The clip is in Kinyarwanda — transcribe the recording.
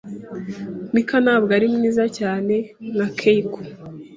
Mika ntabwo ari mwiza cyane nka Keiko. .